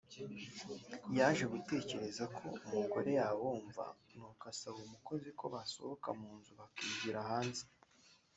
yaje gutekereza ko umugore yabumva n’uko asaba umukozi ko basohoka mu nzu bakigira hanze